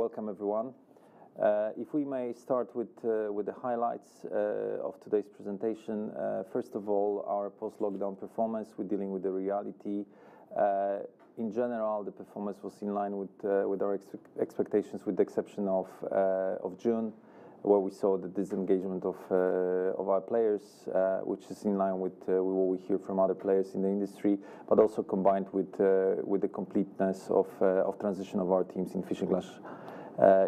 Welcome, everyone. If we may start with the highlights of today's presentation. First of all, our post-lockdown performance, we're dealing with the reality. In general, the performance was in line with our expectations, with the exception of June, where we saw the disengagement of our players, which is in line with what we hear from other players in the industry, but also combined with the completeness of transition of our teams in Fishing Clash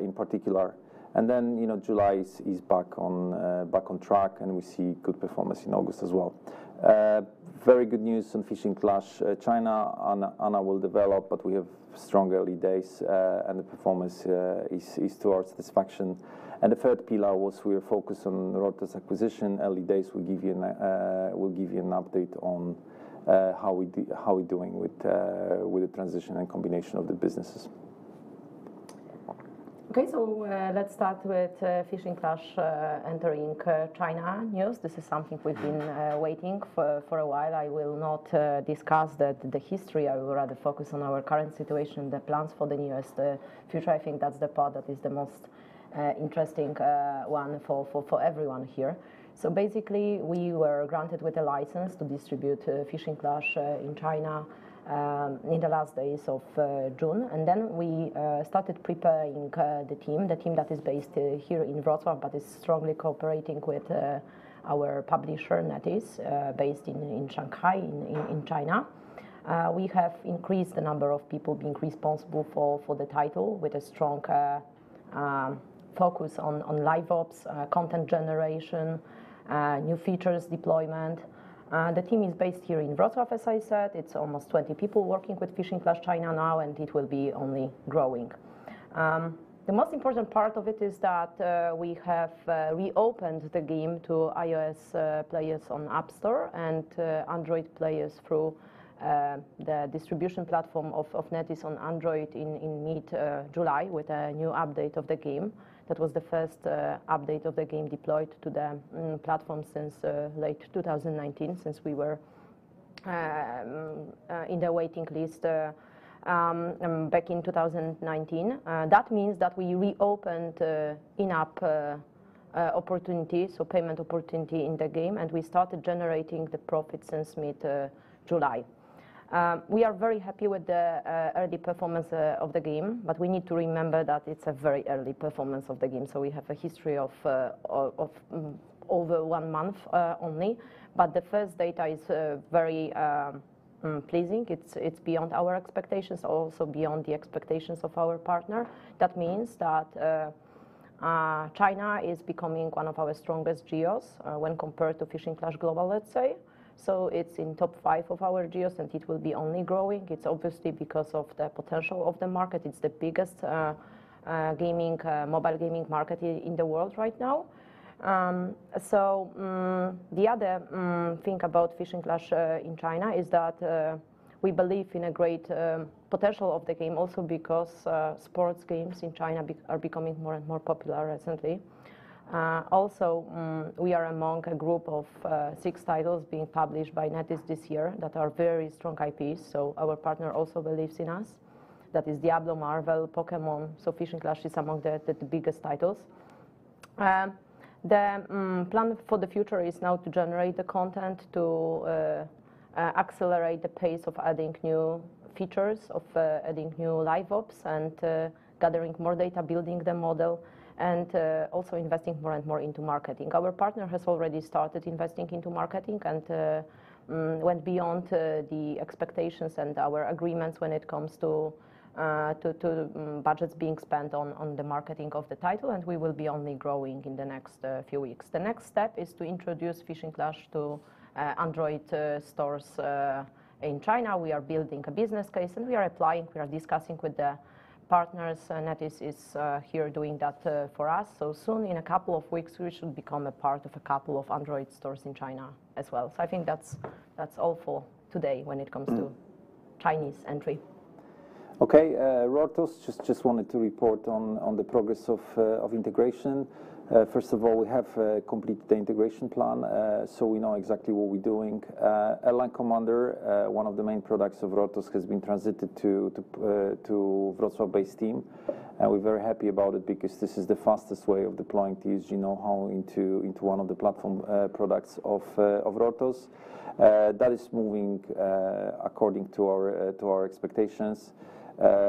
in particular. Then July is back on track, and we see good performance in August as well. Very good news on Fishing Clash China. Anna will develop, but we have strong early days, and the performance is to our satisfaction. The third pillar was we were focused on Rortos acquisition. Early days, we'll give you an update on how we're doing with the transition and combination of the businesses. Okay. Let's start with Fishing Clash entering China news. This is something we've been waiting for a while. I will not discuss the history. I would rather focus on our current situation, the plans for the nearest future. I think that's the part that is the most interesting one for everyone here. Basically, we were granted with a license to distribute Fishing Clash in China in the last days of June. Then we started preparing the team, the team that is based here in Wrocław, but is strongly cooperating with our publisher, NetEase, based in Shanghai, in China. We have increased the number of people being responsible for the title, with a strong focus on live ops, content generation, new features deployment. The team is based here in Wrocław, as I said. It's almost 20 people working with Fishing Clash China now. It will be only growing. The most important part of it is that we have reopened the game to iOS players on App Store and to Android players through the distribution platform of NetEase on Android in mid-July with a new update of the game. That was the first update of the game deployed to the platform since late 2019, since we were in the waiting list back in 2019. That means that we reopened in-app opportunities, so payment opportunity in the game, and we started generating the profit since mid-July. We are very happy with the early performance of the game, but we need to remember that it's a very early performance of the game, so we have a history of over one month only. The first data is very pleasing. It's beyond our expectations, also beyond the expectations of our partner. China is becoming one of our strongest geos when compared to Fishing Clash global. It's in top five of our geos, and it will be only growing. It's obviously because of the potential of the market. It's the biggest mobile gaming market in the world right now. The other thing about Fishing Clash in China is that we believe in a great potential of the game, also because sports games in China are becoming more and more popular recently. We are among a group of six titles being published by NetEase this year that are very strong IPs, our partner also believes in us. Diablo, Marvel, Pokémon, Fishing Clash is among the biggest titles. The plan for the future is now to generate the content, to accelerate the pace of adding new features, of adding new live ops, and gathering more data, building the model, and also investing more and more into marketing. Our partner has already started investing into marketing and went beyond the expectations and our agreements when it comes to budgets being spent on the marketing of the title, and we will be only growing in the next few weeks. The next step is to introduce Fishing Clash to Android stores in China. We are building a business case. We are applying, we are discussing with the partners. NetEase is here doing that for us. Soon, in a couple of weeks, we should become a part of a couple of Android stores in China as well. I think that's all for today when it comes to Chinese entry. Okay. Rortos, just wanted to report on the progress of integration. First of all, we have completed the integration plan, so we know exactly what we're doing. Airline Commander, one of the main products of Rortos, has been transited to Wrocław-based team. We're very happy about it because this is the fastest way of deploying TSG know-how into one of the platform products of Rortos. That is moving according to our expectations.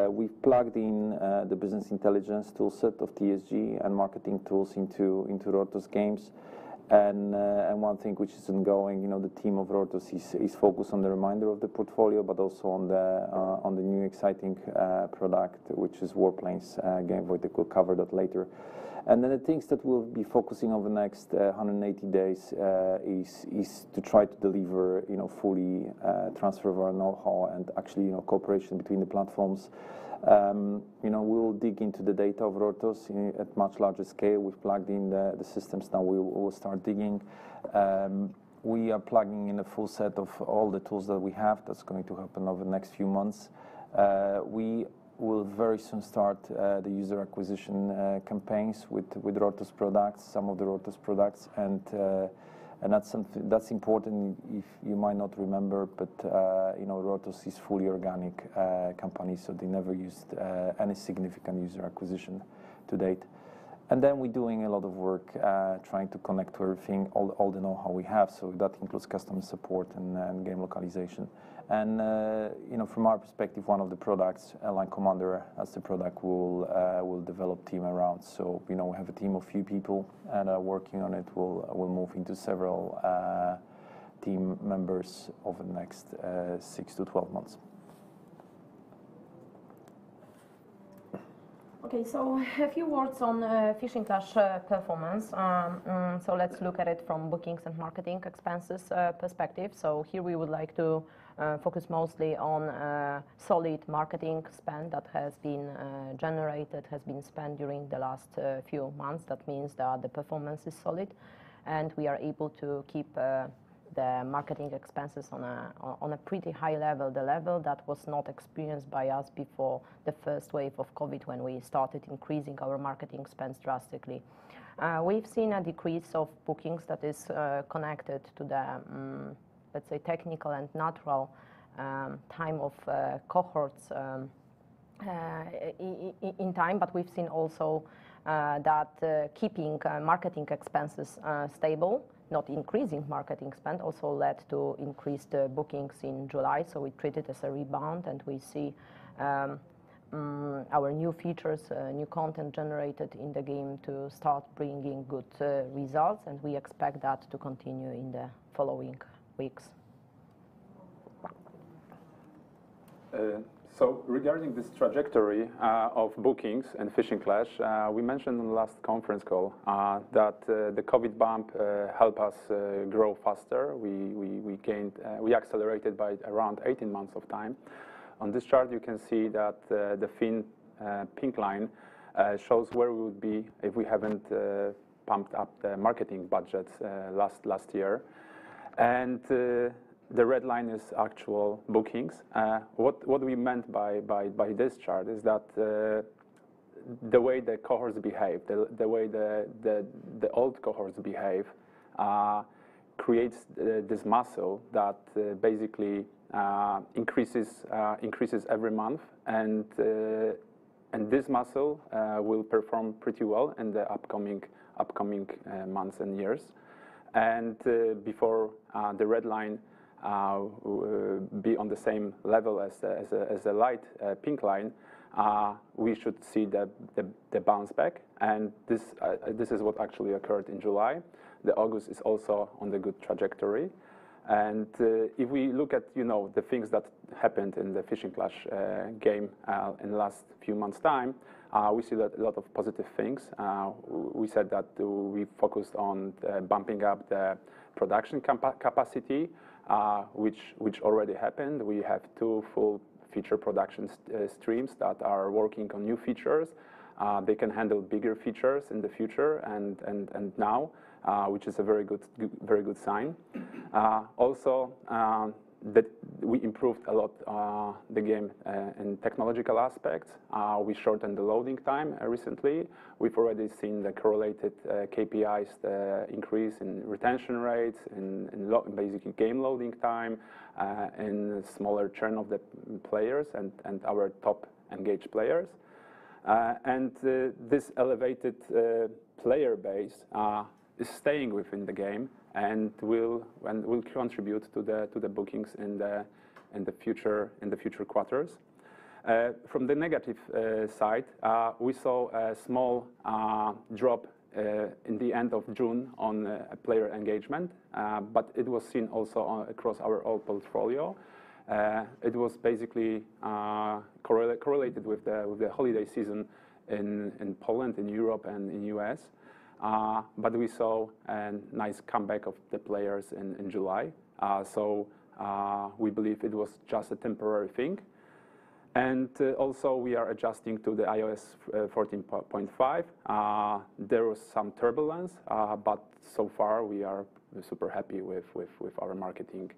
We've plugged in the business intelligence toolset of TSG and marketing tools into Rortos Games. One thing which is ongoing, the team of Rortos is focused on the remainder of the portfolio, but also on the new exciting product, which is War Planes game, which we'll cover that later. The things that we'll be focusing over the next 180 days is to try to deliver fully transfer of our know-how and actually cooperation between the platforms. We will dig into the data of Rortos at much larger scale. We've plugged in the systems, now we will start digging. We are plugging in a full set of all the tools that we have. That's going to happen over the next few months. We will very soon start the user acquisition campaigns with some of the Rortos products. That's important. You might not remember, but Rortos is fully organic company, so they never used any significant user acquisition to date. Then we're doing a lot of work, trying to connect everything, all the know-how we have. That includes customer support and game localization. From our perspective, one of the products, Airline Commander, as the product, we'll develop team around. We now have a team of a few people and are working on it. We'll move into several team members over the next 6 months-12 months. A few words on Fishing Clash performance. Let's look at it from bookings and marketing expenses perspective. Here we would like to focus mostly on solid marketing spend that has been generated, has been spent during the last few months. That means that the performance is solid, and we are able to keep the marketing expenses on a pretty high level, the level that was not experienced by us before the first wave of COVID when we started increasing our marketing spend drastically. We've seen a decrease of bookings that is connected to the, let's say, technical and natural time of cohorts in time. We've seen also that keeping marketing expenses stable, not increasing marketing spend, also led to increased bookings in July. We treat it as a rebound, and we see our new features, new content generated in the game to start bringing good results, and we expect that to continue in the following weeks. Regarding this trajectory of bookings and Fishing Clash, we mentioned in the last conference call that the COVID bump help us grow faster. We accelerated by around 18 months of time. On this chart, you can see that the thin pink line shows where we would be if we haven't pumped up the marketing budget last year, and the red line is actual bookings. What we meant by this chart is that the way the cohorts behave, the way the old cohorts behave, creates this muscle that basically increases every month. This muscle will perform pretty well in the upcoming months and years. Before the red line be on the same level as the light pink line, we should see the bounce back. This is what actually occurred in July. August is also on the good trajectory. If we look at the things that happened in the Fishing Clash game in the last few months' time, we see a lot of positive things. We said that we focused on bumping up the production capacity, which already happened. We have two full feature production streams that are working on new features. They can handle bigger features in the future and now, which is a very good sign. Also, that we improved a lot the game in technological aspects. We shortened the loading time recently. We've already seen the correlated KPIs, the increase in retention rates, in basically game loading time, in smaller churn of the players and our top engaged players. This elevated player base is staying within the game and will contribute to the bookings in the future quarters. From the negative side, we saw a small drop in the end of June on player engagement. It was seen also across our old portfolio. It was basically correlated with the holiday season in Poland, in Europe, and in the U.S. We saw a nice comeback of the players in July. We believe it was just a temporary thing. Also, we are adjusting to the iOS 14.5. There was some turbulence, but so far we are super happy with our marketing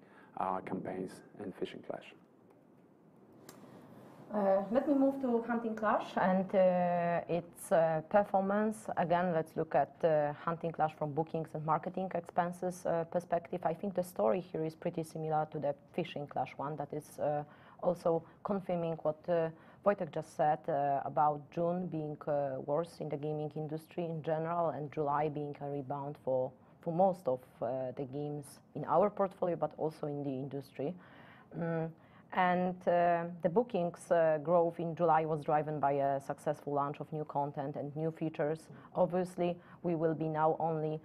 campaigns in Fishing Clash. Let me move to Hunting Clash and its performance. Again, let's look at Hunting Clash from bookings and marketing expenses perspective. I think the story here is pretty similar to the Fishing Clash one, that is also confirming what Wojtek just said, about June being worse in the gaming industry in general, and July being a rebound for most of the games in our portfolio, but also in the industry. The bookings growth in July was driven by a successful launch of new content and new features. Obviously, we will be now only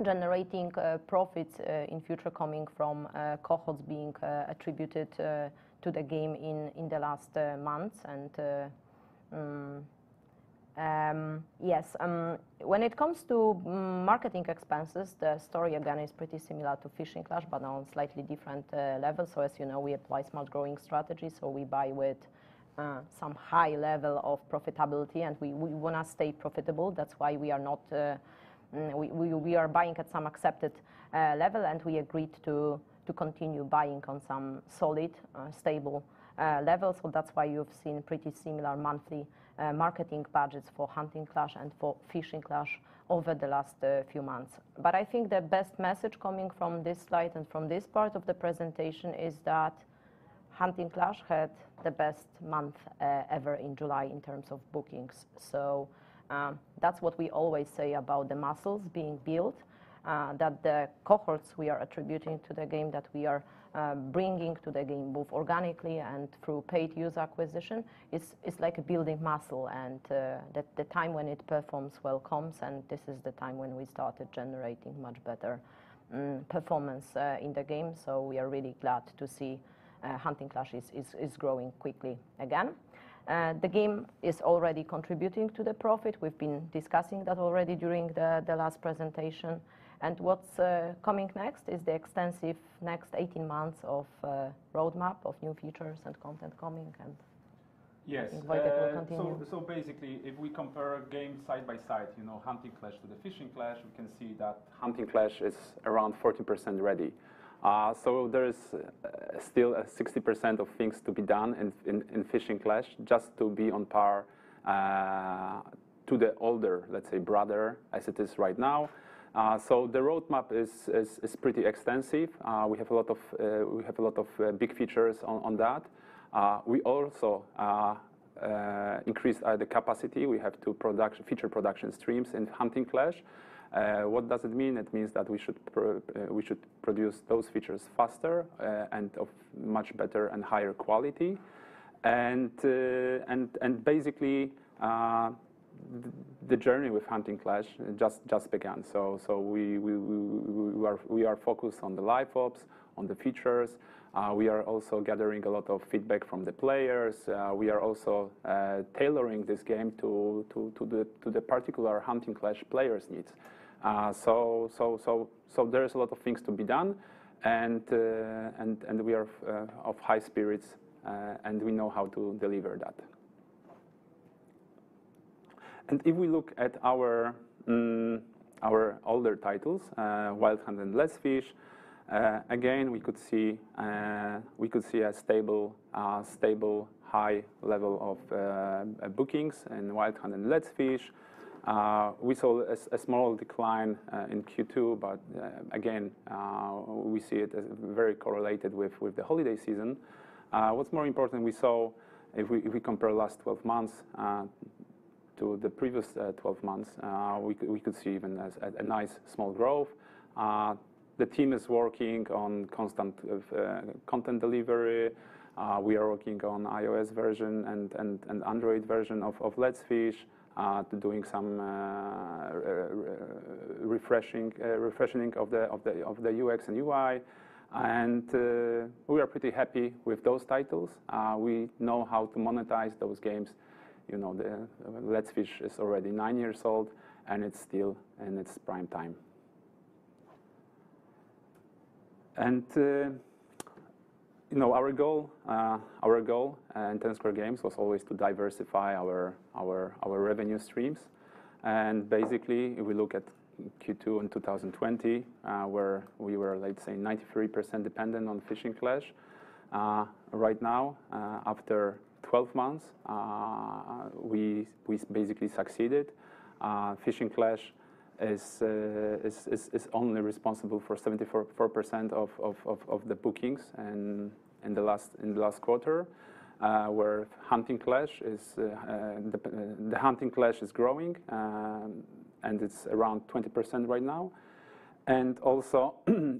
generating profits in future coming from cohorts being attributed to the game in the last months. Yes, when it comes to marketing expenses, the story again is pretty similar to Fishing Clash, but on slightly different levels. As you know, we apply smart growing strategies, so we buy with some high level of profitability, and we want to stay profitable. That's why we are buying at some accepted level, and we agreed to continue buying on some solid, stable level. That's why you've seen pretty similar monthly marketing budgets for Hunting Clash and for Fishing Clash over the last few months. I think the best message coming from this slide and from this part of the presentation is that Hunting Clash had the best month ever in July in terms of bookings. That's what we always say about the muscles being built, that the cohorts we are attributing to the game, that we are bringing to the game, both organically and through paid user acquisition, it's like building muscle, and that the time when it performs well comes, and this is the time when we started generating much better performance in the game. We are really glad to see Hunting Clash is growing quickly again. The game is already contributing to the profit. We've been discussing that already during the last presentation. What's coming next is the extensive next 18 months of a roadmap of new features and content coming. Yes Wojtek will continue. Basically, if we compare game side by side, Hunting Clash to the Fishing Clash, we can see that Hunting Clash is around 40% ready. There is still a 60% of things to be done in Fishing Clash just to be on par to the older, let's say, brother, as it is right now. The roadmap is pretty extensive. We have a lot of big features on that. We also increased the capacity. We have two feature production streams in Hunting Clash. What does it mean? It means that we should produce those features faster and of much better and higher quality. Basically, the journey with Hunting Clash just began. We are focused on the live ops, on the features. We are also gathering a lot of feedback from the players. We are also tailoring this game to the particular Hunting Clash players' needs. There is a lot of things to be done and we are of high spirits, and we know how to deliver that. If we look at our older titles, Wild Hunt and Let's Fish, again, we could see a stable high level of bookings in Wild Hunt and Let's Fish. We saw a small decline in Q2, but again, we see it as very correlated with the holiday season. What's more important, we saw if we compare the last 12 months to the previous 12 months, we could see even a nice small growth. The team is working on constant content delivery. We are working on iOS version and Android version of Let's Fish, doing some refreshening of the UX and UI, and we are pretty happy with those titles. We know how to monetize those games. Let's Fish is already nine years old, it's still in its prime time. Our goal in Ten Square Games was always to diversify our revenue streams. Basically, if we look at Q2 in 2020, where we were, let's say, 93% dependent on Fishing Clash. Right now, after 12 months, we basically succeeded. Fishing Clash is only responsible for 74% of the bookings in the last quarter, where the Hunting Clash is growing, it's around 20% right now. Also,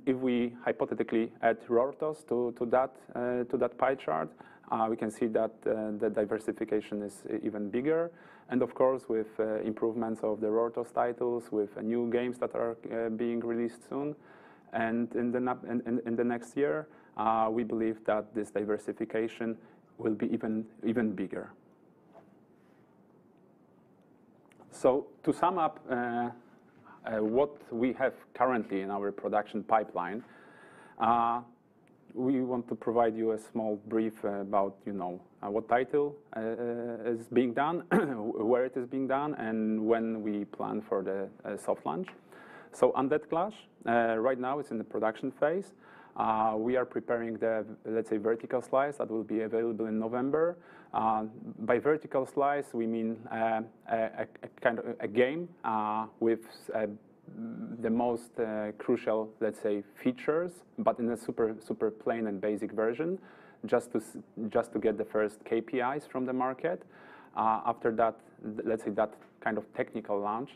if we hypothetically add Rortos to that pie chart, we can see that the diversification is even bigger. Of course, with improvements of the Rortos titles, with new games that are being released soon, in the next year, we believe that this diversification will be even bigger. To sum up what we have currently in our production pipeline, we want to provide you a small brief about what title is being done, where it is being done, and when we plan for the soft launch. Undead Clash, right now it's in the production phase. We are preparing the, let's say, vertical slice that will be available in November. By vertical slice, we mean a game with the most crucial, let's say, features, but in a super plain and basic version just to get the first KPIs from the market. After that, let's say, that kind of technical launch,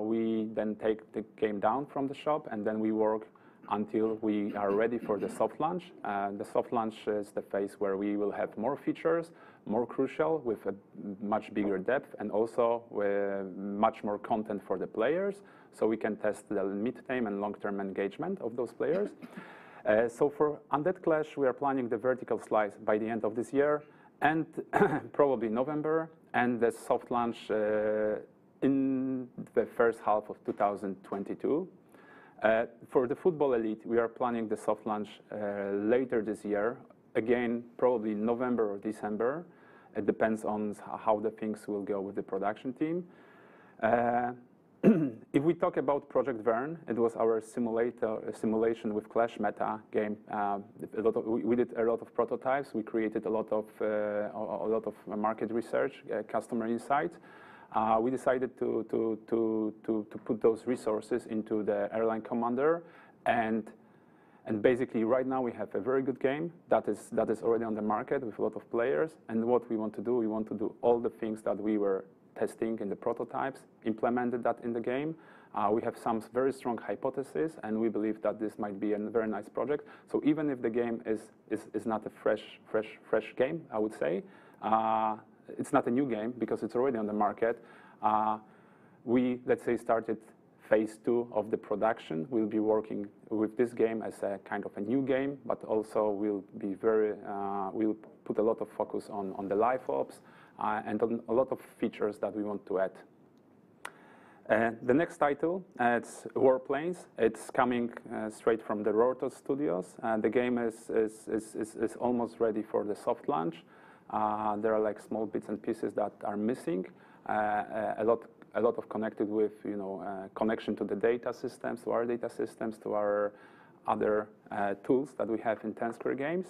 we then take the game down from the shop, and then we work until we are ready for the soft launch. The soft launch is the phase where we will have more features, more crucial, with a much bigger depth and also with much more content for the players, so we can test the mid-term and long-term engagement of those players. For Undead Clash, we are planning the vertical slice by the end of this year, and probably November, and the soft launch in the first half of 2022. For the Football Elite, we are planning the soft launch later this year, again, probably November or December. It depends on how the things will go with the production team. If we talk about Project Verne, it was our simulation with Clash meta game. We did a lot of prototypes. We created a lot of market research, customer insight. We decided to put those resources into the Airline Commander. Basically right now we have a very good game that is already on the market with a lot of players. What we want to do, we want to do all the things that we were testing in the prototypes, implemented that in the game. We have some very strong hypothesis, and we believe that this might be a very nice project. Even if the game is not a fresh game, I would say, it's not a new game because it's already on the market. We, let's say, started phase II of the production, we'll be working with this game as a kind of a new game, but also we'll put a lot of focus on the live ops, and on a lot of features that we want to add. The next title, it's Warplanes. It's coming straight from the Rortos Studios. The game is almost ready for the soft launch. There are small bits and pieces that are missing. A lot of connection to the data systems, to our data systems, to our other tools that we have in Ten Square Games.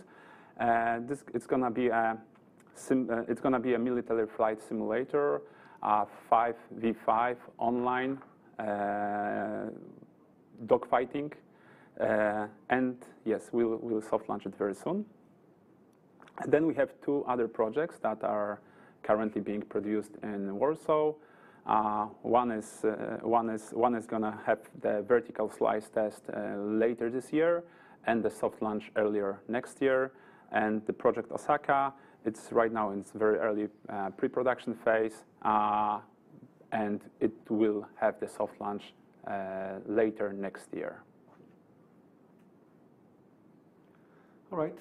It's going to be a military flight simulator, 5v5 online dogfighting. Yes, we'll soft launch it very soon. We have two other projects that are currently being produced in Warsaw. One is going to have the vertical slice test later this year and the soft launch earlier next year. The Project Osaka, it's right now in its very early pre-production phase, and it will have the soft launch later next year. All right.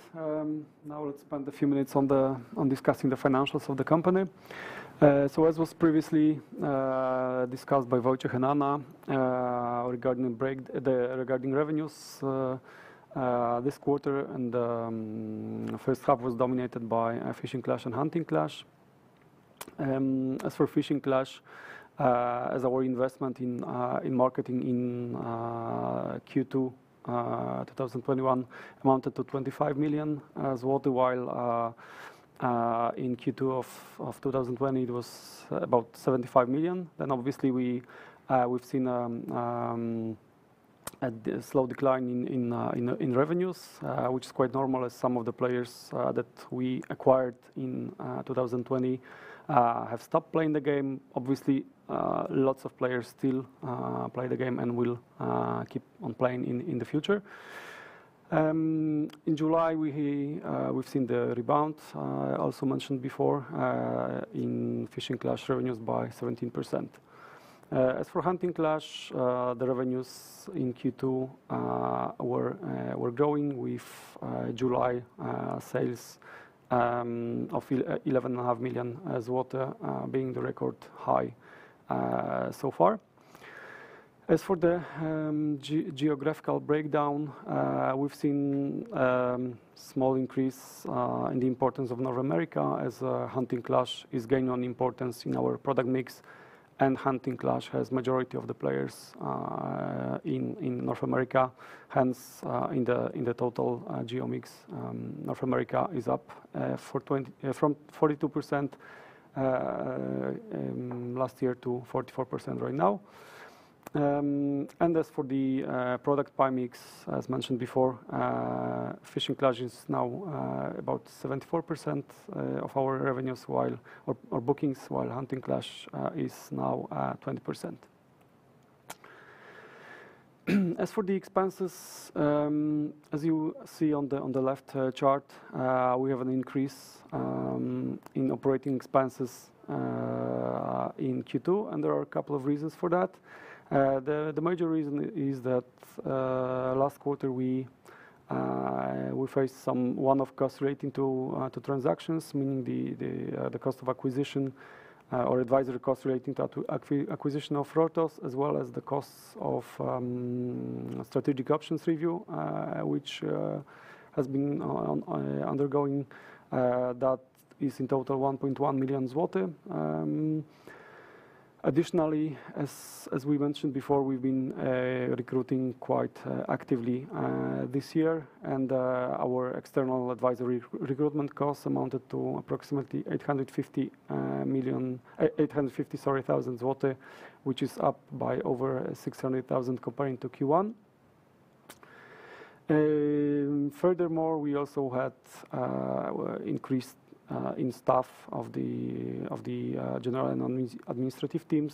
Now let's spend a few minutes on discussing the financials of the company. As was previously discussed by Wojciech and Anna, regarding revenues this quarter and the first half was dominated by Fishing Clash and Hunting Clash. As for Fishing Clash, as our investment in marketing in Q2 2021 amounted to 25 million. As well, while in Q2 of 2020, it was about 75 million. Obviously, we've seen a slow decline in revenues, which is quite normal as some of the players that we acquired in 2020 have stopped playing the game. Obviously, lots of players still play the game and will keep on playing in the future. In July, we've seen the rebound, also mentioned before, in Fishing Clash revenues by 17%. As for Hunting Clash, the revenues in Q2 were growing with July sales of 11.5 million, as well being the record high so far. As for the geographical breakdown, we've seen small increase in the importance of North America as Hunting Clash is gaining on importance in our product mix, and Hunting Clash has majority of the players in North America. In the total geo mix, North America is up from 42% last year to 44% right now. As for the product by mix, as mentioned before, Fishing Clash is now about 74% of our revenues, while our bookings, while Hunting Clash is now at 20%. As for the expenses, as you see on the left chart, we have an increase in operating expenses in Q2, there are a couple of reasons for that. The major reason is that last quarter we faced some one-off costs relating to two transactions, meaning the cost of acquisition or advisory costs relating to acquisition of Rortos, as well as the costs of strategic options review, which has been undergoing, that is in total 1.1 million zloty. As we mentioned before, we've been recruiting quite actively this year, our external advisory recruitment costs amounted to approximately 850,000 zloty, which is up by over 600,000 comparing to Q1. We also had increased in staff of the general and administrative teams,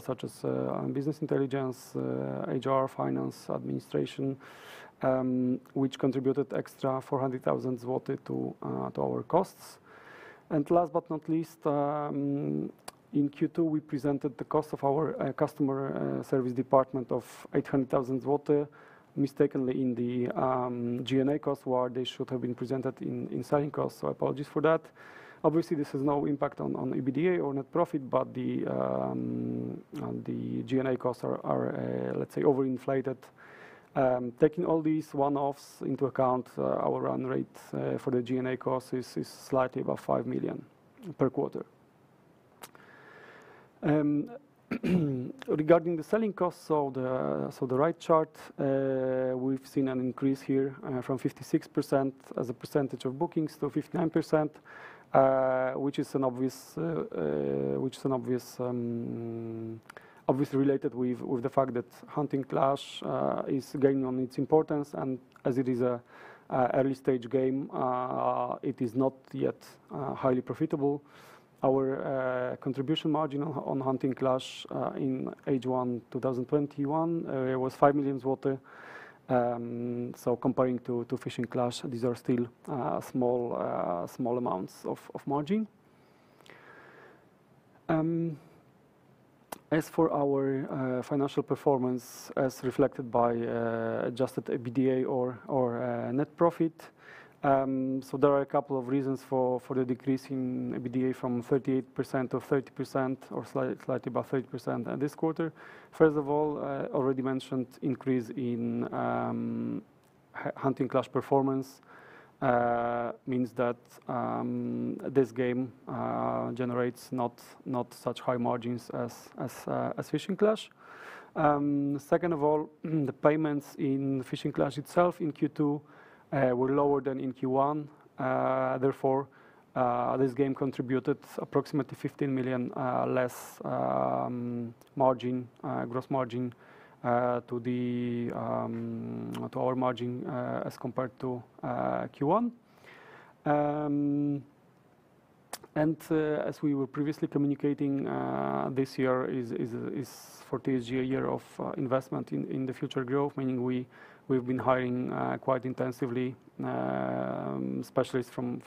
such as business intelligence, HR, finance, administration, which contributed extra 400,000 zloty to our costs. Last but not least, in Q2, we presented the cost of our customer service department of 800,000 zloty mistakenly in the G&A cost, where they should have been presented in selling costs. Apologies for that. Obviously, this has no impact on EBITDA or net profit, but the G&A costs are, let's say, overinflated. Taking all these one-offs into account, our run rate for the G&A cost is slightly above 5 million per quarter. Regarding the selling costs, so the right chart, we've seen an increase here from 56% as a percentage of bookings to 59%, which is obviously related with the fact that Hunting Clash is gaining on its importance. As it is an early-stage game, it is not yet highly profitable. Our contribution margin on Hunting Clash in H1 2021, it was 5 million zloty. Comparing to Fishing Clash, these are still small amounts of margin. As for our financial performance as reflected by adjusted EBITDA or net profit, there are a couple of reasons for the decrease in EBITDA from 38%-30%, or slightly above 30% this quarter. First of all, I already mentioned increase in "Hunting Clash" performance means that this game generates not such high margins as "Fishing Clash." The payments in "Fishing Clash" itself in Q2 were lower than in Q1. This game contributed approximately 15 million less gross margin to our margin as compared to Q1. As we were previously communicating, this year is for TSG a year of investment in the future growth, meaning we've been hiring quite intensively, specialists from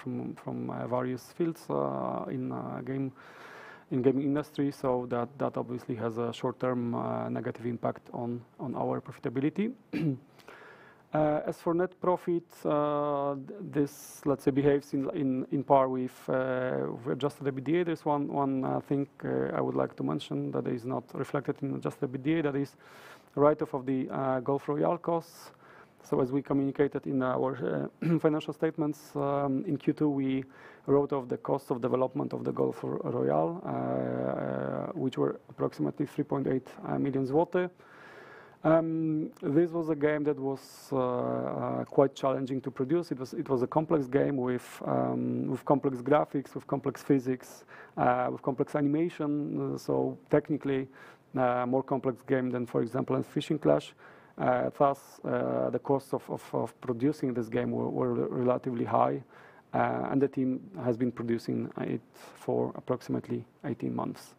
various fields in gaming industry. That obviously has a short-term negative impact on our profitability. As for net profit, this, let's say, behaves in par with adjusted EBITDA. There's one thing I would like to mention that is not reflected in adjusted EBITDA, that is write-off of the "Golf Royale" costs. As we communicated in our financial statements, in Q2, we wrote off the cost of development of the Golf Royale, which were approximately 3.8 million zloty. This was a game that was quite challenging to produce. It was a complex game with complex graphics, with complex physics, with complex animation. Technically, a more complex game than, for example, in Fishing Clash. Thus, the cost of producing this game were relatively high, and the team has been producing it for approximately 18 months.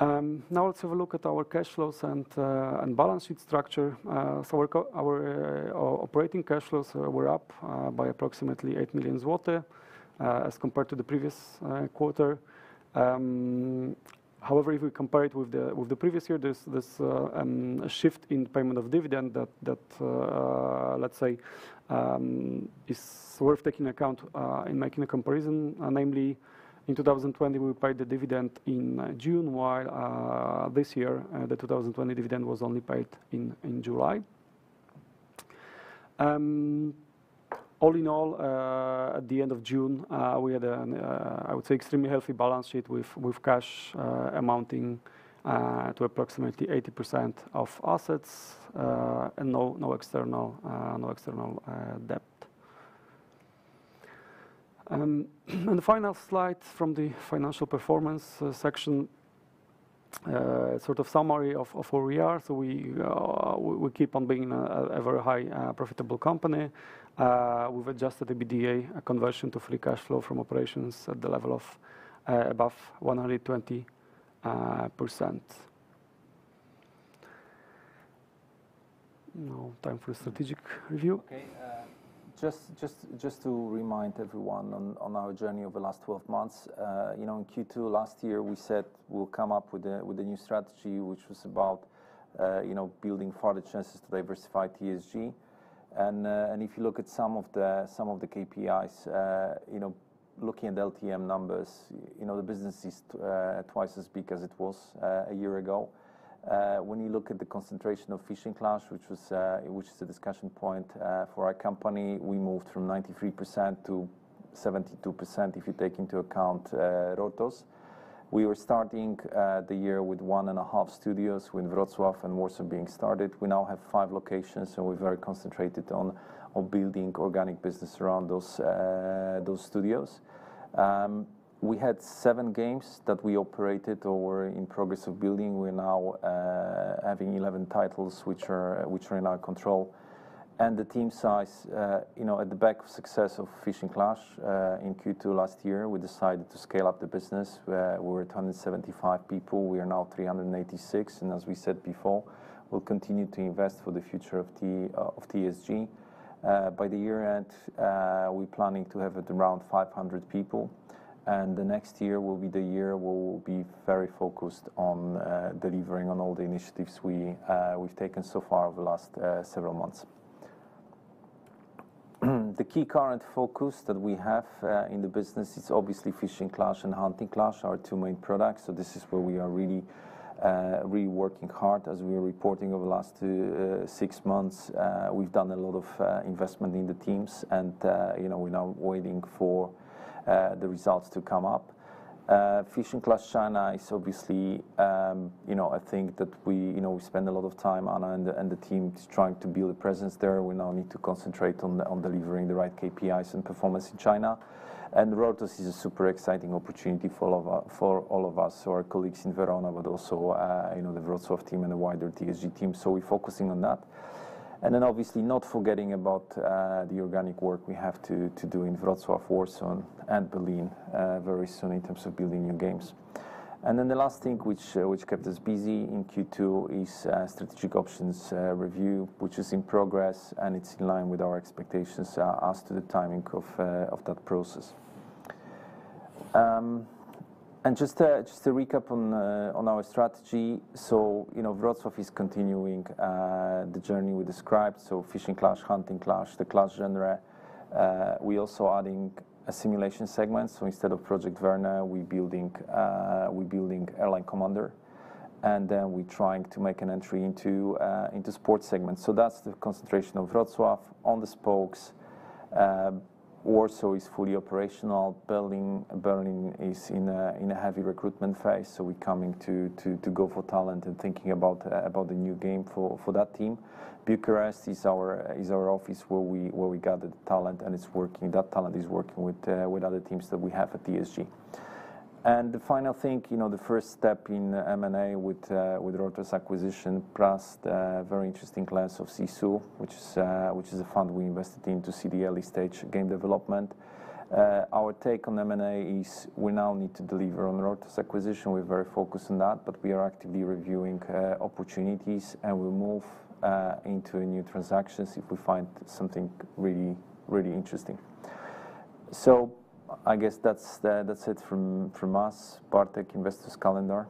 Let's have a look at our cash flows and balance sheet structure. Our operating cash flows were up by approximately 8 million zloty as compared to the previous quarter. However, if we compare it with the previous year, there's a shift in payment of dividend that, let's say, is worth taking account in making a comparison. Namely, in 2020, we paid the dividend in June, while this year, the 2020 dividend was only paid in July. All in all, at the end of June, we had an, I would say, extremely healthy balance sheet with cash amounting to approximately 80% of assets and no external debt. The final slide from the financial performance section, sort of summary of where we are. We keep on being a very high profitable company. With adjusted EBITDA, a conversion to free cash flow from operations at the level of above 120%. Now time for strategic review. Okay. Just to remind everyone on our journey over the last 12 months. In Q2 last year, we said we'll come up with a new strategy, which was about building further chances to diversify TSG. If you look at some of the KPIs, looking at LTM numbers, the business is twice as big as it was a year ago. When you look at the concentration of Fishing Clash, which is a discussion point for our company, we moved from 93% to 72%, if you take into account Rortos. We were starting the year with one and a half studios, with Wrocław and Warsaw being started. We now have five locations, so we're very concentrated on building organic business around those studios. We had seven games that we operated or were in progress of building. We're now having 11 titles, which are in our control. The team size, at the back of success of "Fishing Clash" in Q2 last year, we decided to scale up the business. We were 175 people. We are now 386, and as we said before, we'll continue to invest for the future of TSG. By the year-end, we're planning to have it around 500 people, and the next year will be the year where we'll be very focused on delivering on all the initiatives we've taken so far over the last several months. The key current focus that we have in the business is obviously "Fishing Clash" and "Hunting Clash," our two main products. This is where we are really working hard. As we are reporting over the last six months, we've done a lot of investment in the teams, and we're now waiting for the results to come up. Fishing Clash China, I think that we spend a lot of time, Anna and the team, trying to build a presence there. We now need to concentrate on delivering the right KPIs and performance in China. Rortos is a super exciting opportunity for all of us. Our colleagues in Verona, but also the Wrocław team and the wider TSG team. We're focusing on that. Obviously not forgetting about the organic work we have to do in Wrocław, Warsaw, and Berlin very soon in terms of building new games. The last thing which kept us busy in Q2 is strategic options review, which is in progress, and it's in line with our expectations as to the timing of that process. Just to recap on our strategy. Wrocław is continuing the journey we described. Fishing Clash, Hunting Clash, the Clash genre. We're also adding a simulation segment. Instead of Project Verne, we're building Airline Commander, and then we're trying to make an entry into sports segment. That's the concentration of Wrocław. On the spokes, Warsaw is fully operational. Berlin is in a heavy recruitment phase, so we're coming to go for talent and thinking about the new game for that team. Bucharest is our office where we gather the talent, and that talent is working with other teams that we have at TSG. The final thing, the first step in M&A with Rortos acquisition, plus the very interesting close of Sisu, which is a fund we invested in to see the early-stage game development. Our take on M&A is we now need to deliver on Rortos acquisition. We're very focused on that, but we are actively reviewing opportunities, and we'll move into new transactions if we find something really interesting. I guess that's it from us. Bartek, investors calendar.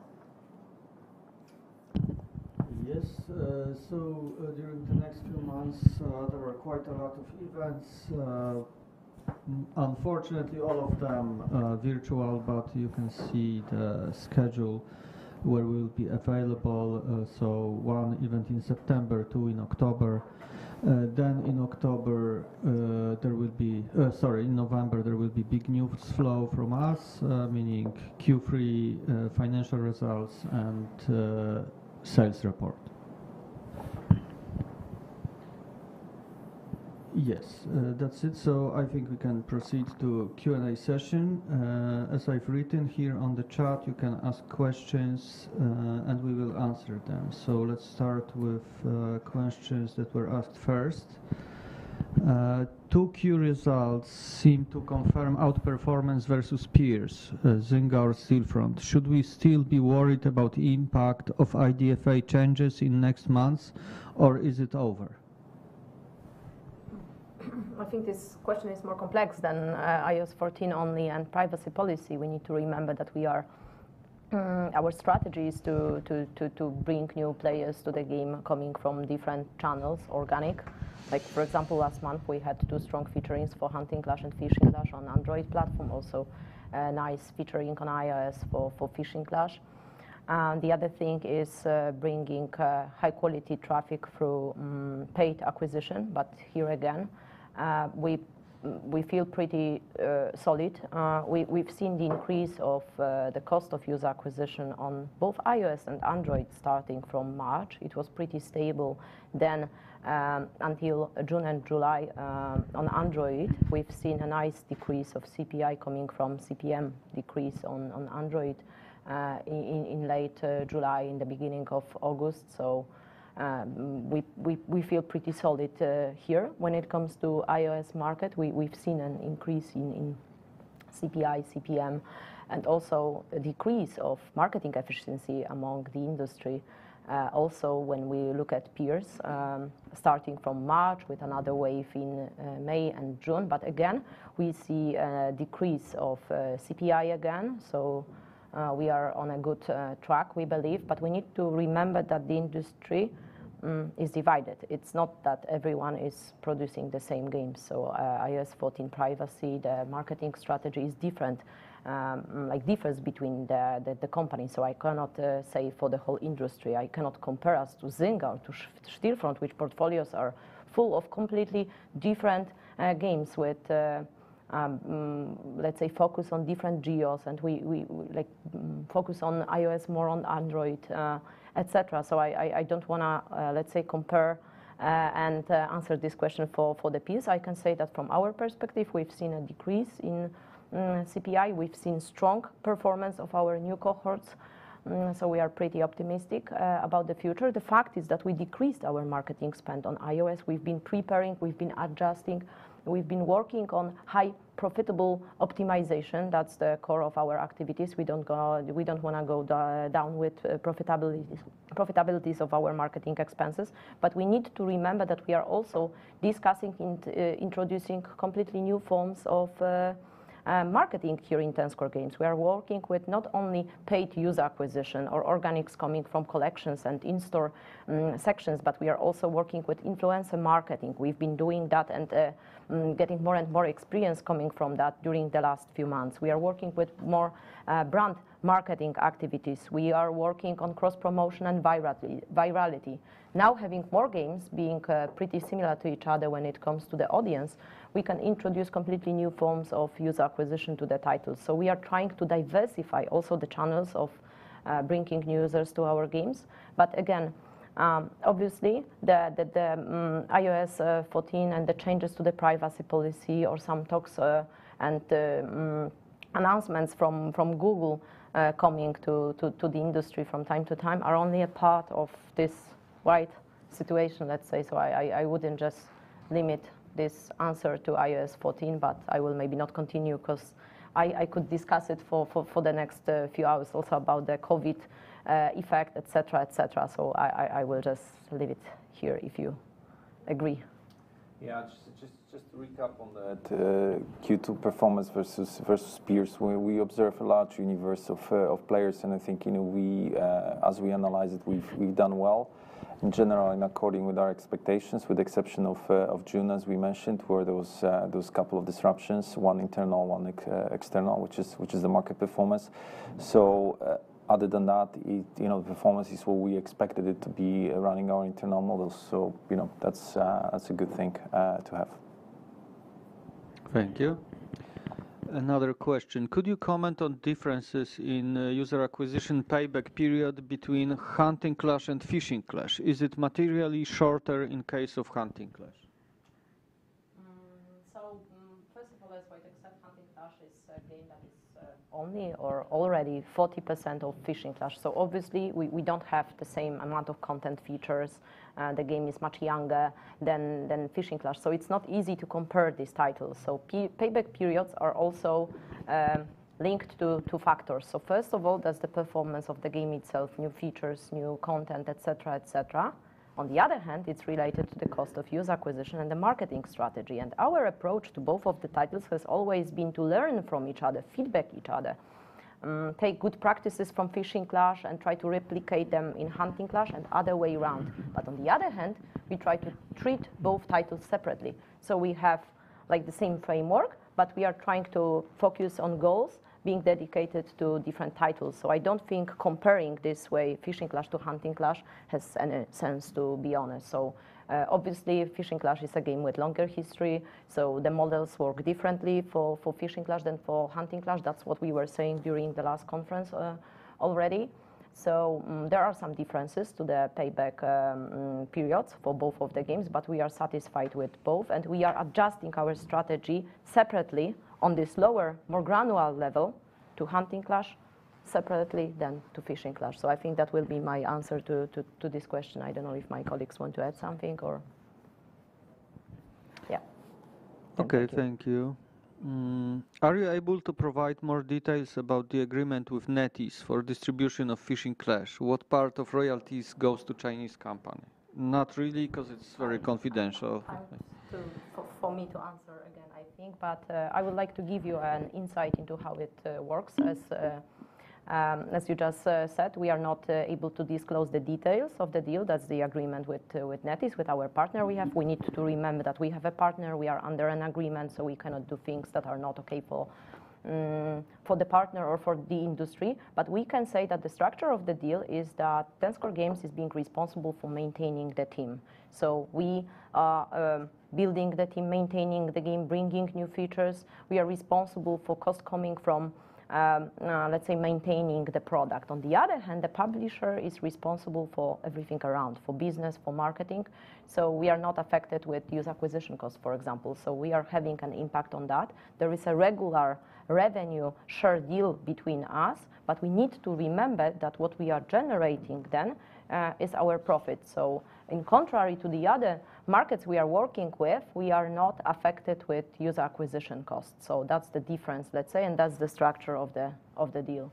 During the next few months, there are quite a lot of events. Unfortunately, all of them virtual, but you can see the schedule where we'll be available. One event in September, two in October. In October, there will be Sorry, in November, there will be big news flow from us, meaning Q3 financial results and sales report. That's it. I think we can proceed to Q&A session. As I've written here on the chat, you can ask questions, and we will answer them. Let's start with questions that were asked first. Q2 results seem to confirm outperformance versus peers, Zynga or Stillfront. Should we still be worried about impact of IDFA changes in next months, or is it over? I think this question is more complex than iOS 14 only and privacy policy. We need to remember that our strategy is to bring new players to the game, coming from different channels, organic. Like for example, last month, we had two strong featurings for Hunting Clash and Fishing Clash on Android platform. Also, a nice featuring on iOS for Fishing Clash. The other thing is bringing high-quality traffic through paid acquisition. Here again, we feel pretty solid. We've seen the increase of the cost of user acquisition on both iOS and Android starting from March. It was pretty stable then until June and July. On Android, we've seen a nice decrease of CPI coming from CPM decrease on Android in late July, in the beginning of August. We feel pretty solid here. When it comes to iOS market, we've seen an increase in CPI, CPM, and also a decrease of marketing efficiency among the industry. When we look at peers, starting from March with another wave in May and June, we see a decrease of CPI again, so we are on a good track, we believe. We need to remember that the industry is divided. It's not that everyone is producing the same game. iOS 14 privacy, the marketing strategy is different, like differs between the companies. I cannot say for the whole industry. I cannot compare us to Zynga, to Stillfront, which portfolios are full of completely different games with, let's say, focus on different geos, and we focus on iOS more on Android, et cetera. I don't want to, let's say, compare and answer this question for the peers. I can say that from our perspective, we've seen a decrease in CPI. We've seen strong performance of our new cohorts. We are pretty optimistic about the future. The fact is that we decreased our marketing spend on iOS. We've been preparing, we've been adjusting, we've been working on high profitable optimization. That's the core of our activities. We don't want to go down with profitabilities of our marketing expenses. We need to remember that we are also discussing introducing completely new forms of marketing here in Ten Square Games. We are working with not only paid user acquisition or organics coming from collections and in-store sections, but we are also working with influencer marketing. We've been doing that and getting more and more experience coming from that during the last few months. We are working with more brand marketing activities. We are working on cross-promotion and virality. Having more games being pretty similar to each other when it comes to the audience, we can introduce completely new forms of user acquisition to the titles. We are trying to diversify also the channels of bringing new users to our games. Again, obviously, the iOS 14 and the changes to the privacy policy or some talks and announcements from Google coming to the industry from time to time are only a part of this wide situation, let's say. I wouldn't just limit this answer to iOS 14, but I will maybe not continue because I could discuss it for the next few hours, also about the COVID effect, et cetera. I will just leave it here if you agree. Just to recap on that Q2 performance versus peers, we observe a large universe of players, and I think as we analyze it, we've done well in general and according with our expectations, with the exception of June, as we mentioned, where there was those couple of disruptions, one internal, one external, which is the market performance. Other than that, the performance is where we expected it to be running our internal models. That's a good thing to have. Thank you. Another question. Could you comment on differences in user acquisition payback period between Hunting Clash and Fishing Clash? Is it materially shorter in case of Hunting Clash? First of all, that's why, except Hunting Clash is a game that is only or already 40% of Fishing Clash. Obviously, we don't have the same amount of content features. The game is much younger than Fishing Clash. It's not easy to compare these titles. Payback periods are also linked to two factors. First of all, there's the performance of the game itself, new features, new content, et cetera. On the other hand, it's related to the cost of user acquisition and the marketing strategy. Our approach to both of the titles has always been to learn from each other, feedback each other, take good practices from Fishing Clash and try to replicate them in Hunting Clash and other way around. On the other hand, we try to treat both titles separately. We have the same framework, but we are trying to focus on goals being dedicated to different titles. I don't think comparing this way, Fishing Clash to Hunting Clash has any sense, to be honest. Obviously Fishing Clash is a game with longer history, so the models work differently for Fishing Clash than for Hunting Clash. That's what we were saying during the last conference already. There are some differences to the payback periods for both of the games, but we are satisfied with both, and we are adjusting our strategy separately on this lower, more granular level to Hunting Clash separately than to Fishing Clash. I think that will be my answer to this question. I don't know if my colleagues want to add something or Yeah. Okay, thank you. Are you able to provide more details about the agreement with NetEase for distribution of Fishing Clash? What part of royalties goes to Chinese company? Not really, because it is very confidential. For me to answer again, I think, but I would like to give you an insight into how it works. As you just said, we are not able to disclose the details of the deal. That's the agreement with NetEase, with our partner we have. We need to remember that we have a partner, we are under an agreement, so we cannot do things that are not okay for the partner or for the industry. We can say that the structure of the deal is that Ten Square Games is being responsible for maintaining the team. We are building the team, maintaining the game, bringing new features. We are responsible for cost coming from, let's say, maintaining the product. On the other hand, the publisher is responsible for everything around, for business, for marketing. We are not affected with user acquisition costs, for example We are having an impact on that. There is a regular revenue share deal between us, but we need to remember that what we are generating then is our profit. In contrary to the other markets we are working with, we are not affected with user acquisition costs. That's the difference, let's say, and that's the structure of the deal.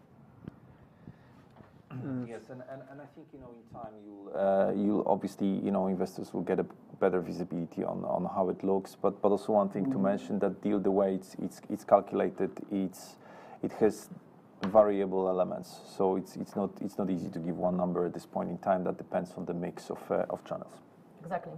Yes. I think in time, obviously investors will get a better visibility on how it looks. Also one thing to mention, that deal, the way it's calculated, it has variable elements. It's not easy to give one number at this point in time. That depends on the mix of channels. Exactly.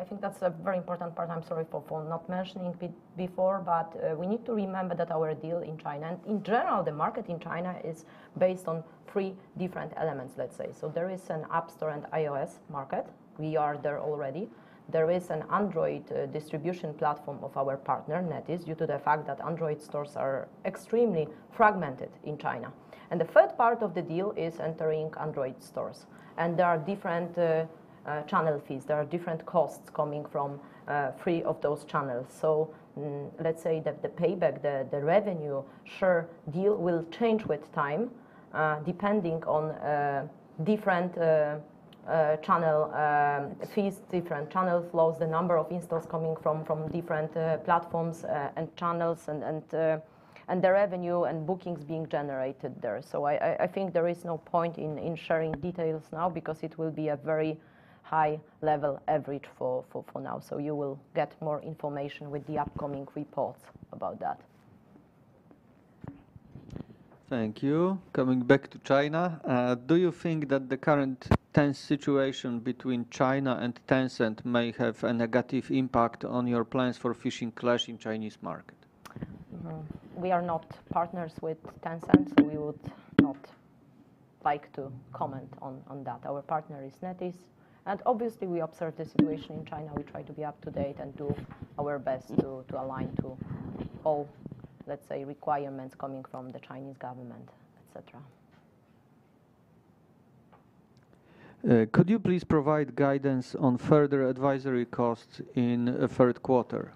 I think that's a very important part, and I'm sorry for not mentioning before, but we need to remember that our deal in China, and in general, the market in China is based on three different elements, let's say. There is an App Store and iOS market. We are there already. There is an Android distribution platform of our partner, NetEase, due to the fact that Android stores are extremely fragmented in China. The third part of the deal is entering Android stores. There are different channel fees. There are different costs coming from three of those channels. Let's say that the payback, the revenue share deal will change with time, depending on different channel fees, different channel flows, the number of installs coming from different platforms and channels, and the revenue and bookings being generated there. I think there is no point in sharing details now because it will be a very high-level average for now. You will get more information with the upcoming reports about that. Thank you. Coming back to China, do you think that the current tense situation between China and Tencent may have a negative impact on your plans for "Fishing Clash" in Chinese market? We are not partners with Tencent, so we would not like to comment on that. Our partner is NetEase, and obviously we observe the situation in China. We try to be up to date and do our best to align to all, let's say, requirements coming from the Chinese government, et cetera. Could you please provide guidance on further advisory costs in third quarter?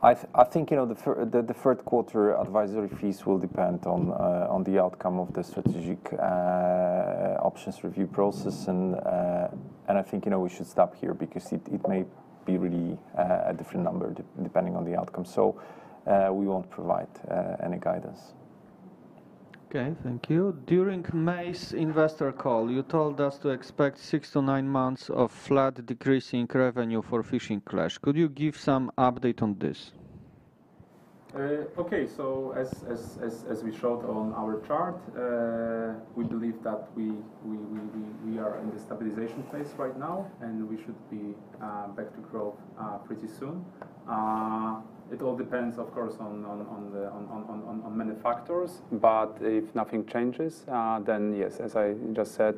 I think the third quarter advisory fees will depend on the outcome of the strategic options review process. I think we should stop here because it may be really a different number depending on the outcome. We won't provide any guidance. Okay. Thank you. During May's investor call, you told us to expect 6 months-9 months of flat decreasing revenue for Fishing Clash. Could you give some update on this? As we showed on our chart, we believe that we are in the stabilization phase right now, and we should be back to growth pretty soon. It all depends, of course, on many factors. If nothing changes, yes. As I just said,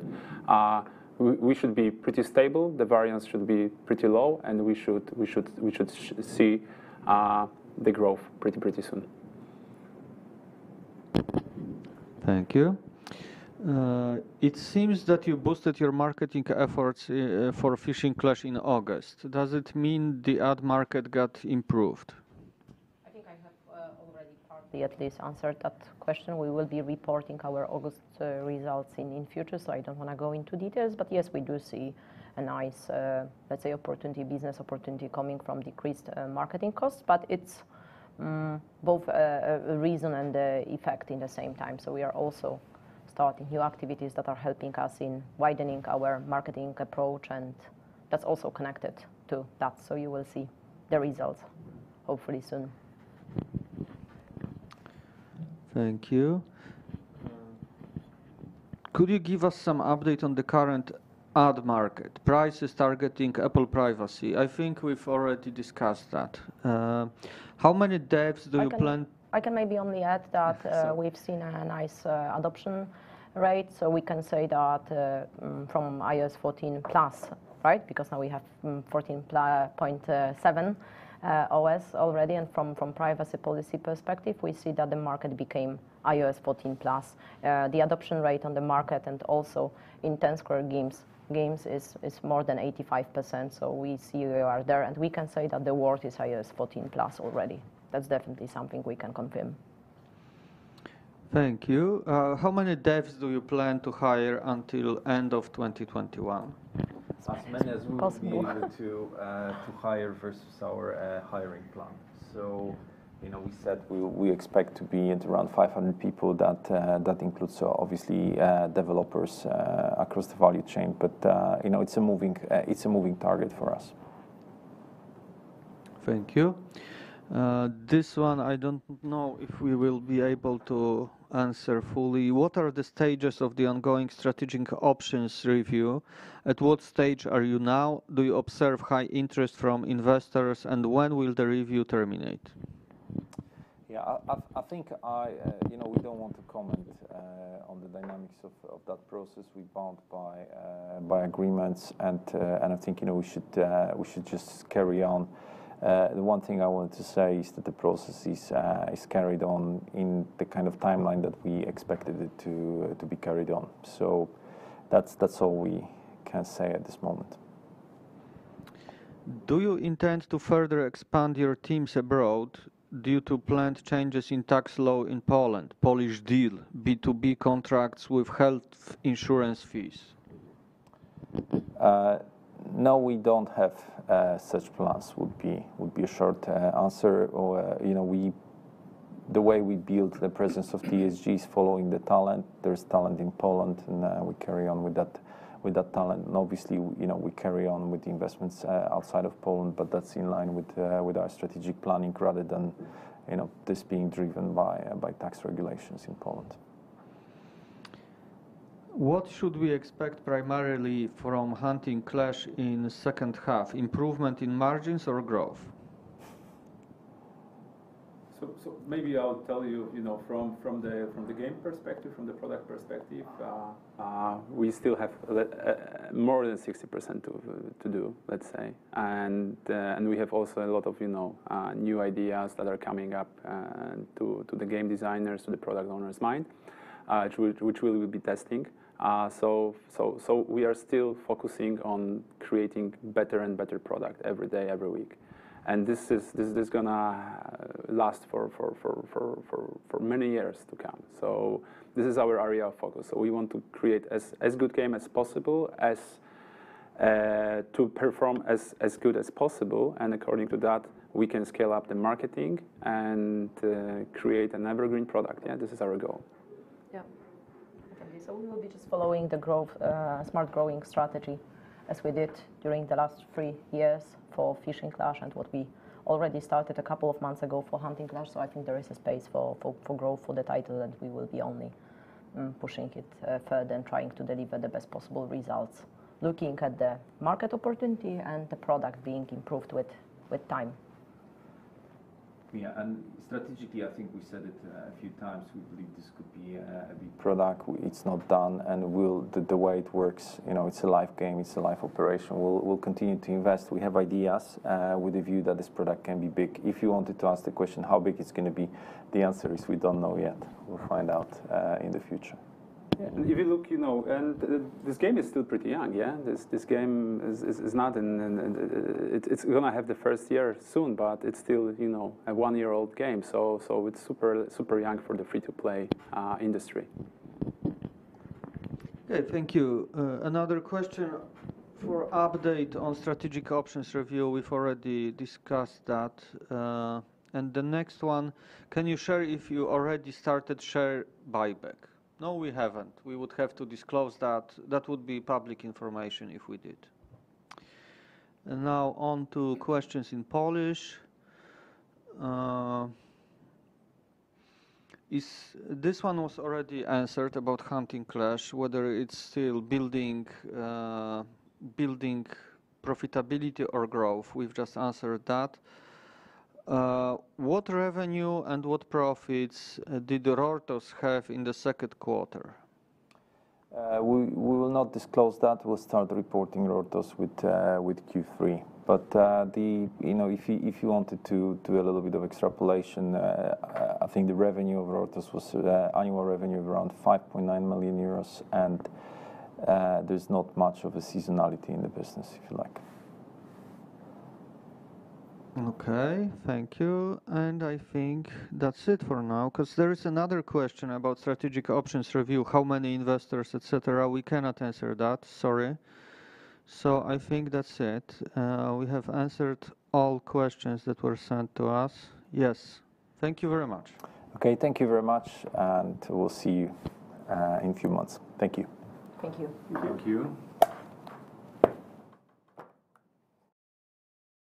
we should be pretty stable, the variance should be pretty low, and we should see the growth pretty soon. Thank you. It seems that you boosted your marketing efforts for Fishing Clash in August. Does it mean the ad market got improved? I think I have already partly at least answered that question. We will be reporting our August results in future, so I don't want to go into details. Yes, we do see a nice, let's say, business opportunity coming from decreased marketing costs, but it's both a reason and effect in the same time. We are also starting new activities that are helping us in widening our marketing approach, and that's also connected to that. You will see the results hopefully soon. Thank you. Could you give us some update on the current ad market? Prices targeting Apple privacy. I think we've already discussed that. I can maybe only add that- Yes We've seen a nice adoption rate. We can say that from iOS 14+, because now we have 14.7 OS already. From privacy policy perspective, we see that the market became iOS 14+. The adoption rate on the market and also in Ten Square Games is more than 85%. We see we are there, and we can say that the world is iOS 14+ already. That's definitely something we can confirm. Thank you. How many devs do you plan to hire until end of 2021? As many as- As possible. We will be able to hire versus our hiring plan. We said we expect to be at around 500 people. That includes obviously developers across the value chain, but it's a moving target for us. Thank you. This one, I don't know if we will be able to answer fully. What are the stages of the ongoing strategic options review? At what stage are you now? Do you observe high interest from investors, and when will the review terminate? I think we don't want to comment on the dynamics of that process. We bound by agreements. I think we should just carry on. The one thing I wanted to say is that the process is carried on in the kind of timeline that we expected it to be carried on. That's all we can say at this moment. Do you intend to further expand your teams abroad due to planned changes in tax law in Poland? Polish Deal, B2B contracts with health insurance fees. No, we don't have such plans, would be a short answer. The way we built the presence of TSG is following the talent. There is talent in Poland, and we carry on with that talent, and obviously, we carry on with the investments outside of Poland, but that's in line with our strategic planning rather than this being driven by tax regulations in Poland. What should we expect primarily from Hunting Clash in second half? Improvement in margins or growth? Maybe I'll tell you from the game perspective, from the product perspective. We still have more than 60% to do, let's say. We have also a lot of new ideas that are coming up to the game designers, to the product owners' mind, which we'll be testing. We are still focusing on creating better and better product every day, every week. This is going to last for many years to come. This is our area of focus. We want to create as good game as possible, to perform as good as possible, and according to that, we can scale up the marketing and create an evergreen product. Yeah, this is our goal. Yeah. Okay. We will be just following the smart growing strategy as we did during the last three years for Fishing Clash and what we already started a couple of months ago for Hunting Clash. I think there is a space for growth for the title, and we will be only pushing it further and trying to deliver the best possible results, looking at the market opportunity and the product being improved with time. Yeah. Strategically, I think we said it a few times, we believe this could be a big product. It's not done, and the way it works, it's a live game, it's a live operation. We'll continue to invest. We have ideas with the view that this product can be big. If you wanted to ask the question how big it's going to be, the answer is we don't know yet. We'll find out in the future. Yeah. If you look, this game is still pretty young. This game is going to have the first year soon, but it's still a one-year-old game. It's super young for the free-to-play industry. Okay. Thank you. Another question for update on strategic options review. We've already discussed that. The next one, can you share if you already started share buyback? No, we haven't. We would have to disclose that. That would be public information if we did. Now on to questions in Polish. This one was already answered about "Hunting Clash," whether it's still building profitability or growth. We've just answered that. What revenue and what profits did the Rortos have in the second quarter? We will not disclose that. We'll start reporting Rortos with Q3. If you wanted to do a little bit of extrapolation, I think the annual revenue of Rortos was around 5.9 million euros and there's not much of a seasonality in the business, if you like. Okay. Thank you. I think that's it for now, because there is another question about strategic options review, how many investors, et cetera. We cannot answer that. Sorry. I think that's it. We have answered all questions that were sent to us. Yes. Thank you very much. Thank you very much. We'll see you in a few months. Thank you. Thank you. Thank you.